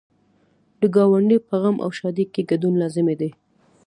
د ګاونډي په غم او ښادۍ کې ګډون لازمي دی.